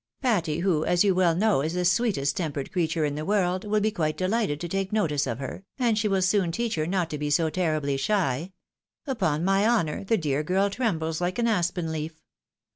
Patty, who, as you well know, is the sweetest tempered crea ture in the world, will be quite dehghted to take notice of her, and she will soon teach her not to be so terribly shy ; upon my honour, the dear girl trembles hke an aspen leaf.